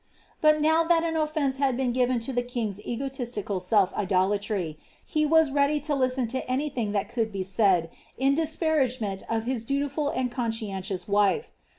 "' But now that an offence had been given to the royal egotist^s self idolatry, he was ready to listen to any thing that could be said, in disparagement of his dutiful and conscientious wife.